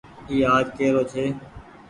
اي آج ڪي رو ڇي۔